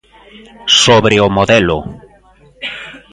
Sobre o modelo.